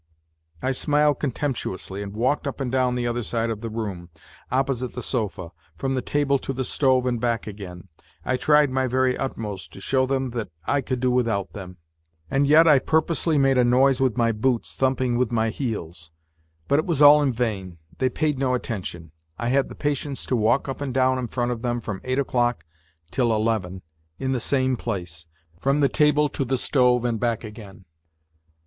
I smiled contemptuously and walked up and down the other side of the room, opposite the sofa, from the table to the stove and back again. I "tried my very utmost to show them that I 112 NOTES FROM UNDERGROUND could do without them, and yet I purposely made a noise with my boots, thumping with my heels. But it was all in vain. They paid no attention. I had the patience to walk up and down in front of them from eight o'clock till eleven, in the same place, from the table to the stove and back again.